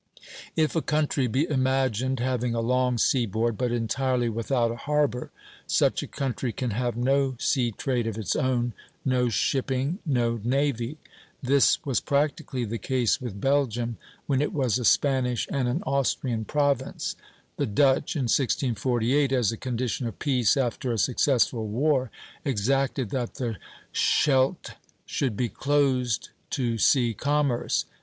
If a country be imagined having a long seaboard, but entirely without a harbor, such a country can have no sea trade of its own, no shipping, no navy. This was practically the case with Belgium when it was a Spanish and an Austrian province. The Dutch, in 1648, as a condition of peace after a successful war, exacted that the Scheldt should be closed to sea commerce.